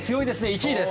１位です。